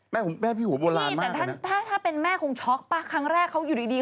เขาเอาก้านมายมแหละคุณผู้ชมแหละเนี่ย